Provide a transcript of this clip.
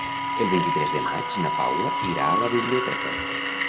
El vint-i-tres de maig na Paula irà a la biblioteca.